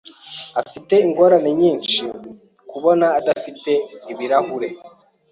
Afite ingorane nyinshi kubona adafite ibirahure.